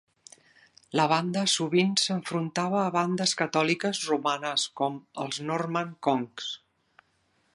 La banda sovint s'enfrontava a bandes catòliques romanes com els Norman Conks.